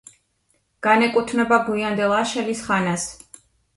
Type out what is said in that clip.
განეკუთვნება გვიანდელ აშელის ხანას.